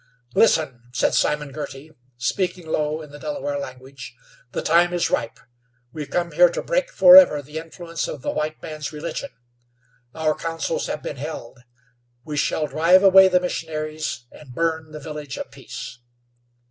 "Listen," said Simon Girty, speaking low in the Delaware language. "The time is ripe. We have come here to break forever the influence of the white man's religion. Our councils have been held; we shall drive away the missionaries, and burn the Village of Peace."